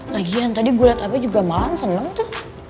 lagian tadi gue liat abah juga malah seneng tuh